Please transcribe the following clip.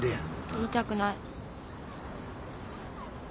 言いたくない。